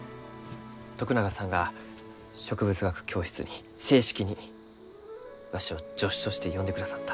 徳永さんが植物学教室に正式にわしを助手として呼んでくださった。